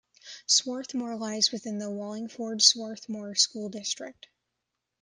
Swarthmore lies within the Wallingford-Swarthmore School District.